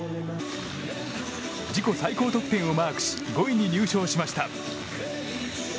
自己最高得点をマークし５位に入賞しました。